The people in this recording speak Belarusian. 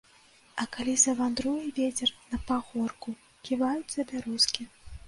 А калі завандруе вецер на пагорку, ківаюцца бярозкі.